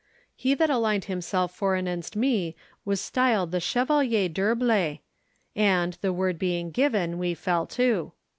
He that aligned himself forenenst me was styled the Chevalier d'Herblay; and, the word being given, we fell to.